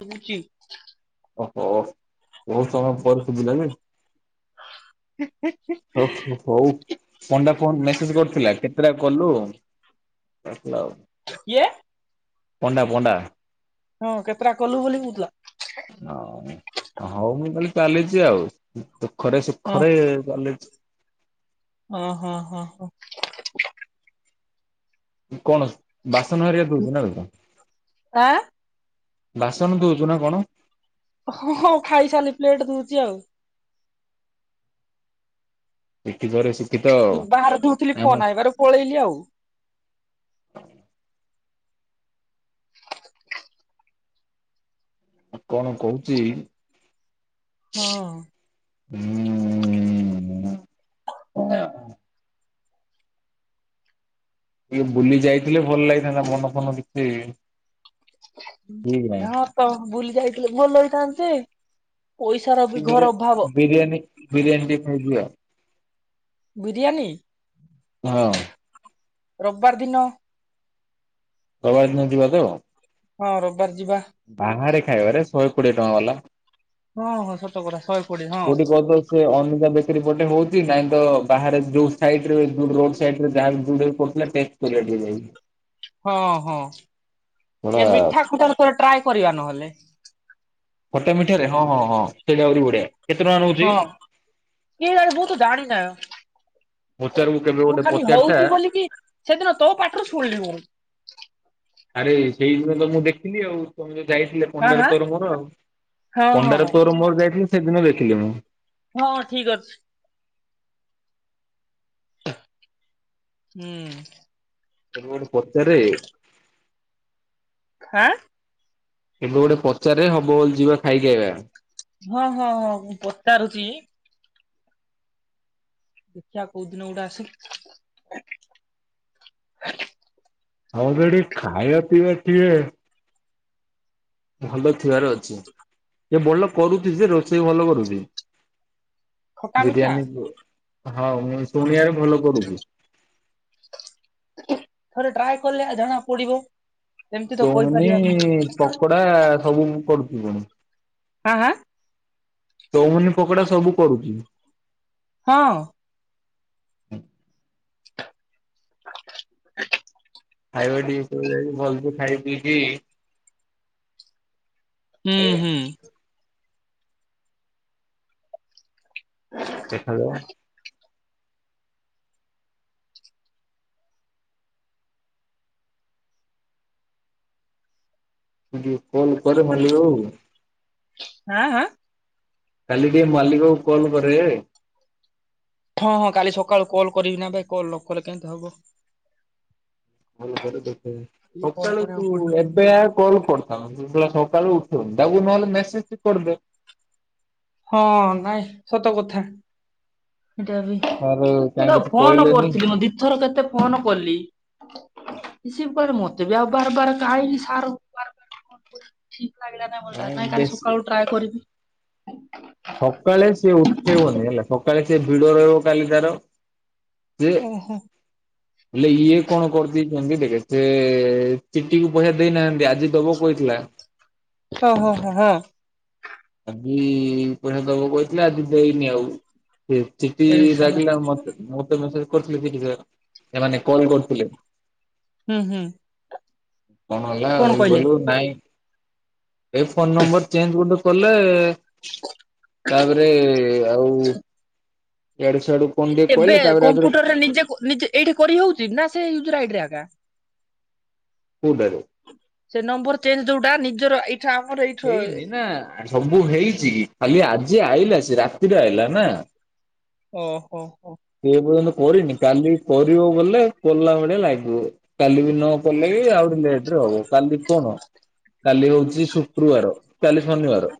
ସୁବୁଚି। ଓହୋ ବହୁତ ସମୟ ପରେ ସୁୁଭିଲା ବେ। ଓ ହୋ। ହଉ ପଣ୍ଡା ଫୋନ୍ ମେସେଜ କରିଥିଲା କେତେଟା କଲୁ କରିଥିଲା ଆଉ। କିଏ? ପଣ୍ଡା ପଣ୍ଡା। ହଁ କେତେଟା କଲୁ ବୋଲି କୁଥିଲା? ହ ହଉ ମୁଁ କଲି ଚାଲିଚି ଆଉ ଦୁଃଖରେ ହଁ ସୁଖରେ ଚାଲିଚି। ଓ ହୋ ହଁ ହୋ। କଣ ବାସନ ହରିକା ଧୋଉଚ ନା ବେ କଣ? ଆଁ ବାସନ ଧୋଉଚୁ ନା କଣ? ହଁଁ ଖାଇସାଇଲି ପ୍ଲେଟ ଧୋଉଚି ଆଉ। [unintelligible] ବାହାର ଧୋଉଥିଲି ଆମ ଫୋନ ଆଇବାରୁ ପଳେଇଲି ଆଉ। କଣ କହୁଚି? ହଁ। ହୁଁ। ଟିକେ ବୁଲି ଯାଇଥିଲେ ଭଲ ଲାଗିଥାନ୍ତା ମନ ଫନ ଟିକେ ହଁ ତ ବୁଲି ଯାଇଥିଲେ ଭଲ ହେଇଥାନ୍ତା ଯେ ପଇସାର ବି ନାହିଁ। ଘୋର ଅଭାବ। ବିରିୟାନୀ ବିରିୟାନୀ ଟିକେ ଖାଇଯିବା ବିରିୟାନୀ? ହଁ। ରବବାର ଦିନ। ରବବାର ଦିନ ଯିବା ତ? ହଁ ରବବାର ଯିବା। ବାହାରେ ଖାଇବାରେ ଶହେ କୋଡିଏ ଟଙ୍କା ବାଲା। ହଁ ହଁ ସତକଥା ଶହେ କୋଡିଏ ହଁ। କୋଉଠି କହତ ସେ ଅନିତା ବେକେରୀ ପଟେ ହଉଚି ନାଇଁ ତ ବାହାରେ ଯୋଉ ସାଇଟରେ ଏଯୋ ରୋଡ ସାଇଟରେ ଯାହା ଯୋଉଠୀ ପଡିଥିଲା ଟେ [unintelligible] ହଁ ହଁ କଣ ଏ ମିଠା ଖୁଟା ରୁ ଥରେ ଟ୍ରାଏ କରିବା ନହେଲେ? ଖଟା ମିଠାରେ ହଁ ହଁ ହଁ ସେଇଟା ଆହୁରି ବଢିଆ। କେତେ ଟଙ୍କା ନଉଚି? କେଏଜାଣି ମୁଁ ତ ଜାଣିନା। ପଚାରକୁ କେବେ ମୁଁ ଗୋଟେ ଖାଲି ପଚାରିଥା ହଉଚି ବୋଲିକି ସେଦିନ ତୋ ପାଟିରୁ ଶୁଣିଲି ମୁଁ। ଆରେ ସେଇଦିନତ ମୁଁ ଦେଖିଲି ଆଉ। ତମେ ଯୋଉ ଯାଇଥିଲେ ଆଁ ପଣ୍ଡାର ଆଁ ତୋର ମୋର ଆଉ। ହଁ ପଣ୍ଡାର ହଁ। ତୋର ମୋର ଯାଇଥିଲି ସେଦିନ ଦେଖିଲି ମୁଁ। ହଁ ଠିକ ଅଛି। ଥୁ, ହୁଁ। କେବେ ଗୋଟେ ପଚାରେ ଖାଁ? କେବେ ଗୋଟେ ପଚାରେ ହବ ବୋଲି ଯିବା ଖାଇକି ଆଇବା। ହଁ ହଁ ହଁ ମୁଁ ପଚାରୁଚି ଦେଖିଆ କୋଉଦିନ ଗୋଟା ଆସିକି ହଉ ସେଠି ଖାଇବା ପିଇବା ଟିକେ ଭଲ ଥିବାର ଅଛି। ଏ ଭଲ କରୁଚି ଯେ ରୋଷେଇ ଭଲ କରୁଚି। ଖଟା ମିଠା ବିରିୟାନୀ ହଁ ମୁଁ ଶୁଣିବାରେ ଭଲ କରୁଚି। ଥରେ ଟ୍ରାଏ କଲେ ଜଣା ପଡିବ। ଏମିତି ତ ଚଉମିନି କହିପାରିବାନି ପକୋଡା ସବୁ କରୁଚି ପୁଣି। ହାଁ ହାଁ? ଚଉମିନି ପକୋଡା ସବୁ କରୁଚି। ହଁ। [inaudible] ଖାଇବା ଟିକେ [unintelligible] ଭଲସେ ଖାଇ ପିଇକି ହୁଁ ଖାଇବା ହୁଁ। ଦେଖାଯାଉ। ଟିକେ କଲ କରେ ମାଲିକ ଆଉ। ହାଁ ହାଁ। କାଲି ଟିକେ ମାଲିକ କୁ କଲ୍ କରେ। ହଁ ହଁ କାଲି ସକାଳୁ କଲ୍ କରିବି ନା ଭାଇ କଲ୍ ନକଲେ କେମିତି ହବ। କାଲି କଲ୍ ସକାଳୁ କରିବାକୁ ତୁ ପଡିବ ଏବେ ଆ। କଲ୍ କରିଥାନ୍ତୁ ସେ ଶଳା ସକାଳୁ ଉଠୋଉନି ତାକୁ ନହେଲେ ମେସେଜଟେ କରିଦେ। ହଁ ନାଇଁ ସତ କଥା। ତାର ମୁଁ କାହିଁ ତ କିଛି ଫୋନ କହିଲେନି କରୁଥିଲି ମୁଁ ଦିଥର କେତେ ଫୋନ କଲି। ସିଏ ମତେ ବି ଆଉ ବାର ବାର କାହିନି ସାରକୁ ବାର ବାର ଠିକ୍ ଲାଗିଲା ନାହିଁ କାଇଁ ନାଇଁ କାଲି ବେଶୀ ସକାଳୁ ଟ୍ରାଏ କରିବି। ସକାଳେ ସିଏ ଉଠେଇବନି ହେଲା ସକାଳେ ସିଏ ଭିଡ ରହିବ କାଲି ତାର। ଯେ। ଓହୋ ହେଲେ ଇଏ କଣ କରିଦେଇଛନ୍ତି ଦେଖେ ସେ ଚିଟିକୁ ପଇସା ଦେଇନାହାନ୍ତି ଆଜି ଦବ କହିଥିଲା। ହଁ ହଁ ହଁ ହଁ। ଆଜି ପଇସା ଦବ କହିଥିଲା ଆଜି ଦେଇନି ଆଉ ସେ ଚିଟି ଏଠି ସାଲା ଡାକିଲା ମତେ। ମତେ ମେସେଜ କରିଥିଲେ କି ଯେ ଏମାନେ କଲ କରିଥିଲେ। ହୁଁ ହୁଁ। କଣ ହେଲା କଲୁ ନାଇଁ ଏ ଫୋନ ନମ୍ବର ଚେଞ୍ଜ। କଲେ ତାପରେ ଆଉ ଇଆଡୁ ସିଆଡୁ। କଣ ଟିକେ ଏବେ କହିଲେ ତାପରେ ଆଉଥରେ କମ୍ପ୍ୟୁଟରରେ ନିଜେ ନିଜେ ଏଇଠି କରି ହଉଛି ନା ସେ ୟୁଜର ଆଇଡିରେ ଏକା। କୋଉଟା ରେ। ସେ ନମ୍ବର ଚେଞ୍ଚ ଯୋଉଟା ନିଜର ଏଇଟି। [unintelligible] ହେଇନି ନା ସବୁ ହେଇଛି କ ଖାଲି ଆଜି ଆଇଲା ସେ ରାତିରେ ଆଇଲା ନା। ଓହୋ ହୋ। ସେ ପର୍ଯ୍ୟନ୍ତ କରିନି କାଲି କରିବ ବୋଲେ କଲା ଭଳିଆ ଲାଗିଅ। କାଲି ବି ନ କଲେ ଆଉରି ଲେଟ ରେ ହବ କାଲି କଣ କାଲି ହଉଛି। ଶୁକ୍ରବାର କାଲି ଶନି ବାର।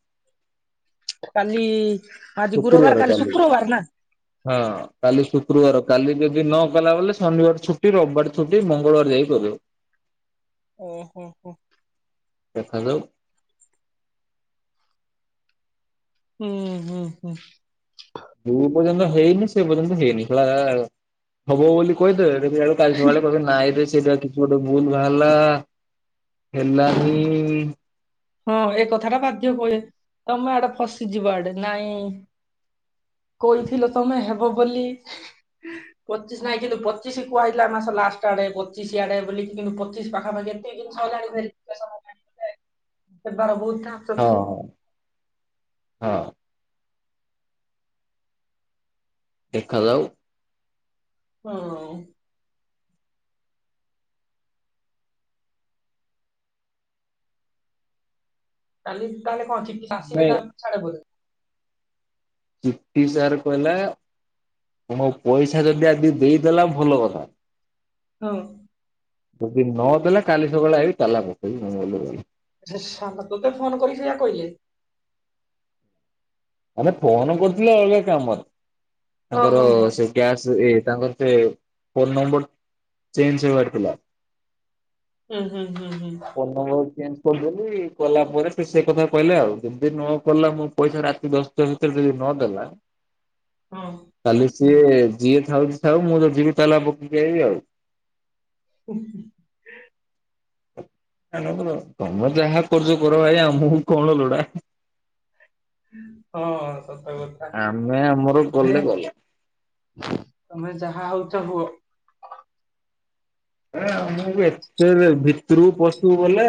କାଲି ଆଜି ଗୁରବାର କାଲି ଶୁକ୍ରବାର ନା। ହଁ। କାଲି ଶୁକ୍ରବାର କାଲି ଯଦି ନ କଲା ବଲେ ଶନିବାର ଛୁଟି ରବିବାର ଛୁଟି ମଙ୍ଗଳବାର ଯାଇକି କରିବ। ଓ ହୋ ହୋ। ସଖାଳୁ। ହୁଁ ହୁଁ ହୁଁ। ଯୋଉ ପର୍ଯ୍ୟନ୍ତ ହେଇନି ସେ ପର୍ଯ୍ୟନ୍ତ ହେଇନି [inaudible] ହବ ବୋଲି କହିଦେବେ ଦେଖିଲା ବେଳକୁ କାଲି ସକାଳେ କହିବେ ନାଇଁରେ ସେଇଟା। ଗୋଟେ ଭୁଲ ବାହାରିଲା ହେଲାନି। ହଁ ଏ କଥା ଟା ଭାଗ୍ୟ ବଳେ ତମେ ଆଡେ ଫସିଯିବ ଆଡେ ନାଇଁ। କଇଥିଲ ତମେ ହେବ ବୋଲି। ପଚିଶ ନାଇଁ କିନ୍ତୁ ପଚିଶ କୁଆହେଇଥିଲା ଏ ମାସ ଲାଷ୍ଟ ଆଡେ ପଚିଶ ଆଡେ ବୋଲିକି କିନ୍ତୁ ପଚିଶ ପାଖାପାଖି। କେତେ ଜିନିଷ ହେଲାଣି ଭେରୀ୍ଫି କେସନ। ଏତେଥର ବୋହୁଥା। ହଁ ହଁ। ଦେଖାଯାଉ। ହଁ। କାଲି ତାହେଲେ କଣ ଠିକ ଆସିବେ ନାଇଁ ତା ସାଡେ ପ ପିଟ ସାର୍ କହିଲା। ତମକୁ ପଇସା ଯଦି ଆଜି ଦେଇଦେଲା ଭଲ କଥା। ହୁଁ। ଯଦି ନ ଦେଲା କାଲି ସକାଳେ ଆଇବି ତାଲା ପକେଇିବି ନ ହେଲେଗଲା। ସେ ସାଙ୍ଗ ତୋତେ ଫୋନ କରିକି ସେଇଆ କଇଲେ। ଆମେ ଫୋନ କରୁଥିଲେ ଅଲଗା କାମରେ ହଁ ତାଙ୍କର ହଁ ହଁ ସେ ଗ୍ୟାସ୍ ଏ ତାଙ୍କର ସେ ଫୋନ ନମ୍ବର ଚେଞ୍ଜ ହେବାର ଥିଲା। ହୁଁ ହୁଁ ହୁଁ ହୁଁ। ସେ ନମ୍ବର ଚେଞ୍ଜ କରିଦେଲି କଲା ପରେ ସେ ସେ କଥା କହିଲେ ଆଉ ଯଦି ନକଲା ମୋ ପଇସା ରାତି ଦଶ ଟା ଭିତରେ ଯଦି ନଦେଲା। ହଁ। କାଲି ସିଏ ଯିଏ ଥାଉଛି ଥାଉ ମୁଁ ଯଦି ଯିବି ତାଲା ପକେଇବି ଆଉ। [inaudible] ତମେ ଯାହା କରୁଚ କର ଭାଇ ଆମକୁ କଣ ଲୋଡା। ହଁ। ସତ କଥା। ଆମେ ଆମର ରେ କଲେ ଗଲା। ତମେ ଯାହା ହଉଚ ହୁଅ। ଏ ଆମକୁ ଏତେ ଭିତରକୁ ପଶିବୁ ବଲେ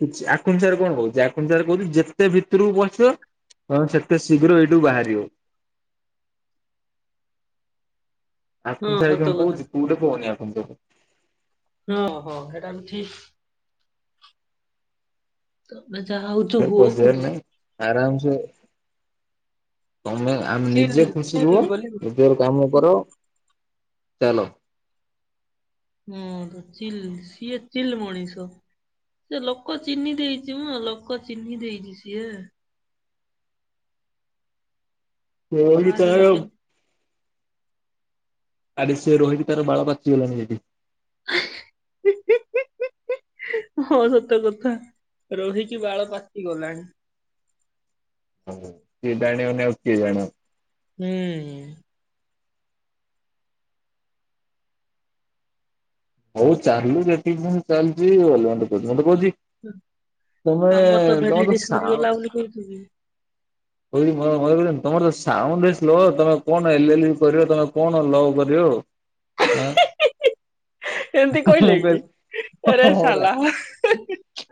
କିଛି ଆଖୁନ୍ ସାର୍ କଣ କହୁଚି ଆଖୁନ୍ ସାର୍ କହୁଚି ଯେତେ ଭିତରକୁ ପଶିବ ତମେ ସେତେ ଶୀଘ୍ର ଏଇଠୁ ବାହାରିବ। ହଁ ଆଖୁନ୍ ସାର୍ ସତ କଣ କଥା। କହୁଚି ତୁ ଗୋଟେ କୋହୁଣିଆ ଖୁମ୍ବ। ହଁ ହଁ ହେଟା ବି ଠିକ୍। ତମେ ଯାହା ହୁ ଟୋଟାଲ ପଶିବାର ନାଇଁ ଆରାମ ସେ ତମେ ଆମେ ଚିଲ୍ ନିଜେ ଖୁସି ଚିଲ୍ ରୁହ ବୋଲି ହଁ ନିଜର କାମ କର ଚାଲ। ହୁଁ ତ ଚିଲ୍ ସିଏ ଚିଲ ମଣିଷ। ସେ ଲୋକ ଚିହ୍ନି ଦେଇଚି ମ ଲୋକ ଚିହ୍ନି ଦେଇଚି ସିଏ। କାହା ସହିତ ହି [unintelligible] ଆରେ ସିଏ ରହିକି ତାର ବାଳ ପାଚିଗଲାଣି ସେଠି। [inaudible] ହଁ ସତ କଥା ରହିକି ବାଳ ପାଚିଗଲାଣି। ହଁ ସିଏ ଜାଣିବନି ଆଉ କିଏ ଜାଣିବ। ହୁଁ। ହଉ ଚାଲୁ ଯେତିକି ପନ୍ତ ଚାଲୁଚି ଭଲ ମନ୍ଦ କହୁଚି ମତେ କହୁଚି ତମେ ଆମର ତ ଭ୍ୟାଲିଡି ତମର ସାଉଁ [unintelligible] [unintelligible] ତମର ତ ସାଉଣ୍ଡ ସ୍ଲୋ ତମେ କଣ ଏଲ ଏଲ କରିବ ତମେ କଣ ଲ କରିବ ଓ। ହଁ। ଏମିତି କହିଲେ କି କହିଲି ଆରେ ହଁ ପରା ସାଲା।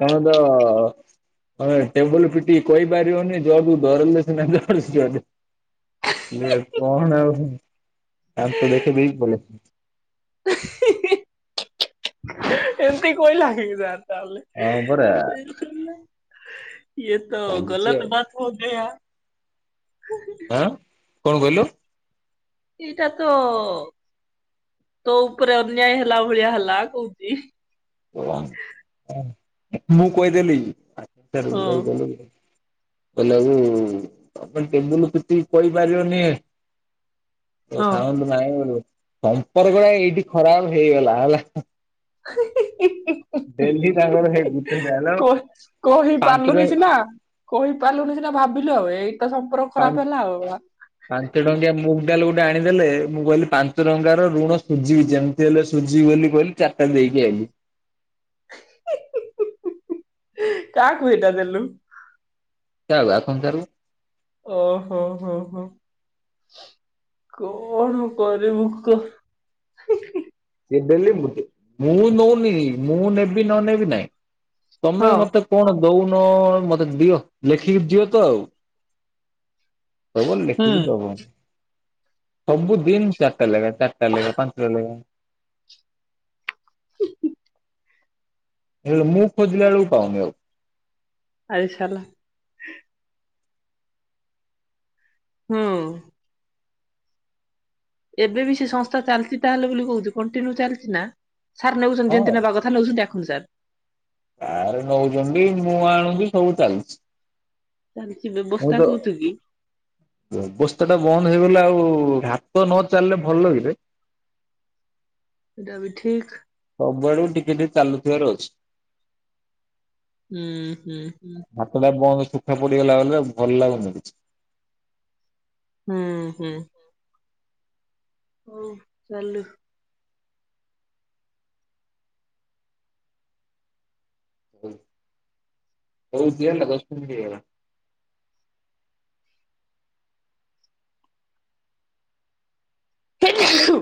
ତମେ ତ ତମେ ଟେବୁଲ ପିଟିକି କହିପାରିବନି ଜଜ୍ [unintelligible] ଏ କଣ ଆଉ ଦାନ୍ତ ଦେଖେଇ ଦେଇକି ପଳେଇ ଆସିନି। ଏମତି କଇଲା କି ଯା ତାହଲେ। ହଁ ପରା। ୟେ ତ ଚାଲିଛି ଗଲତ ଆଉ ବାତ ହୋଗୟା। ହଁ କଣ କହିଲୁ। ଏଇଟା ତ ତୋ ଉପରେ ଅନ୍ୟାୟ ହେଲା ଭଳିଆ ହେଲା କହୁଚି। [unintelligible] ମୁଁ କହିଦେଲି ହଁ [unintelligible] କହିଲା ଆକୁ ତମେ ଟେବୁଲ ପିଟିକୀ କହିପାରିବନି। ତୋ ହଁ। ସାଉଣ୍ଡ ନାହିଁ ଟେ ସମ୍ପର୍କଟା ଏଇଠି ଖରାପ ହେଇଗଲା ହେଲା। [inaudible] ଡେଲିୀ ତାଙ୍କର ସେଇ ଗୋଟିଏ ଡାଇଲଗ କହି କହିପାରିଲୁନି ପାଞ୍ଚରେ ସିନା କହିପାରିଲୁନି ସିନା ଭାବିଲୁ ଆଉ ଏଇଟି ତ ସମ୍ପର୍କ ଖରାପ ହେଲା ଆଉ। ପାଞ୍ଚ ଟଙ୍କିଆ ମୁଗ ଡାଲ ଗୋଟେ ଆଣିଦେଲେ ମୁଁ କହିଲି ପାଞ୍ଚ ଟଙ୍କାର ଋଣ ସୁୁଝିହେଇଯା ସେଲେ ସୁଝିବ ବୋଲି କହିଲି ଚାରିଟା ଦେଇକି ଆଇଲି। କାହାକୁ ଏଇଟା ଦେଲୁ? କାରୁ ଆଖଣ ସାରୁ। ଓହୋ ହୋ, ହୋ, ହୋ। କଣ କରିବୁ କହ? ସେ ଦେଲେ ମୁଁ ଦେବୀ। ମୁଁ ନଉନି, ମୁଁ ନେବି ନ ନେବି ନାଇଁ ତମେ ହଁ ମତେ କଣ ଦଉନ ମତେ ଦିଅ ଲେଖିକି ଯିଅ ତ ଆଉ। ଦବନି ହୁଁ ଲେଖିକି ଦବ। ସବୁ ଦିନ ଚାରିଟା ଲେଖା। ଚାରିଟା ଲେଖା ପଞ୍ଚର ଲେଖା। ହ ହେଲେ ମୁଁ ଖୋଜିଲା ବେଳକୁ ପାଉନି ଆଉ। ଆଇ ସାଲା। ହୁଁ। ଏବେ ବି ସେ ସଂସ୍ଥା ଚାଲିଛି ତାହେଲେ ବୋଲି କହୁଛି କଣ୍ଟିନ୍ୟୁ ଚାଲିଛି ନା? ସାର୍ ନେଉଛନ୍ତି ହଁ ଯେମତୀ ନେବା କଥା ନେଉଛନ୍ତି ଦେଖନ୍ତୁ ସାର୍। ସାରେ ନଉଛନ୍ତି। ମୁଁ ଆଣୁଛିି ସବୁ ଚାଲିଛି। ଚାଲିଛି ବ୍ୟବସ୍ଥା କରୁଛ କି? ବେବସ୍ଥା ଟା ବନ୍ଦ ହେଇଗଲା, ଆଉ ହାତ ନ ଚାଲିଲେ ଭଲ କିରେ? ସେଟା ବି ଠିକ୍। ସବୁଆଡ଼କୁ ଟିକେ ଟିକେ ଚାଲୁଥିବାର ଅଛି। ହୁଁ ହୁଁ ହୁଁ। ଭାତଟା ବନ୍ଦ ସୁଖା ପଡିଗଲା ବେଳେ ଭଲ ଲାଗୁନି କିଛି। ହୁଁ ହୁଁ। ହଉ ଚାଲୁ। ହୁ ହଉ ଦିଅଲୋ ଦଶ ମିନିଟ୍ ହେଇଗଲା। [unintelligible]